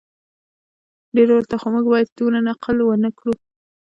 ډیر ورته خو موږ باید دومره نقل قول ونه کړو